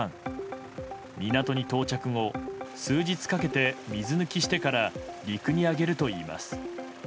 港に到着後数日かけて水抜きしてから陸に揚げるといいます。